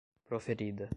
proferida